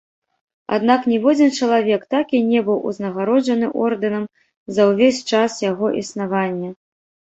Аднак ніводзін чалавек так і не быў узнагароджаны ордэнам за ўвесь час яго існавання.